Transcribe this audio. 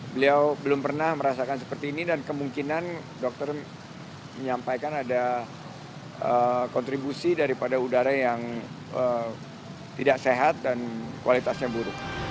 beliau belum pernah merasakan seperti ini dan kemungkinan dokter menyampaikan ada kontribusi daripada udara yang tidak sehat dan kualitasnya buruk